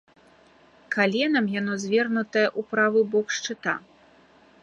Каленам яно звернутае ў правы бок шчыта.